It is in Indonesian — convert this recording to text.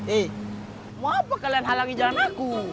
eh mau apa kalian halangi jalan aku